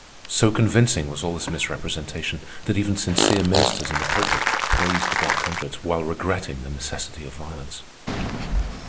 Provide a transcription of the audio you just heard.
So convincing was all this misrepresentation that even sincere ministers in the pulpit praised the Black Hundreds while regretting the necessity of violence.